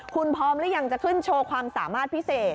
คุณพร้อมหรือยังจะขึ้นโชว์ความสามารถพิเศษ